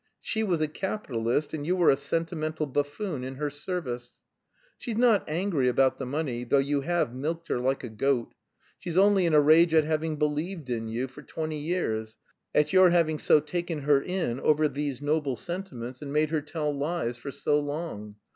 She was a capitalist and you were a sentimental buffoon in her service. She's not angry about the money, though you have milked her like a goat. She's only in a rage at having believed in you for twenty years, at your having so taken her in over these noble sentiments, and made her tell lies for so long.